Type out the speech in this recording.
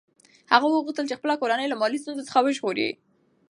هغه غوښتل چې خپله کورنۍ له مالي ستونزو څخه وژغوري.